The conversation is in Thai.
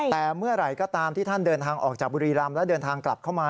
แต่เมื่อไหร่ก็ตามที่ท่านเดินทางออกจากบุรีรำและเดินทางกลับเข้ามา